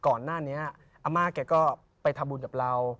ก่อนหน้านี้อาม่าแกก็ไปทำบุญกับเรา